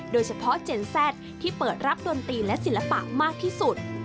โดยเฉพาะเจนแซดที่เปิดรับดนตรีและศิลปะมากที่สุด